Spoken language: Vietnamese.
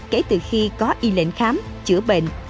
kể từ khi có y lệnh khám chữa bệnh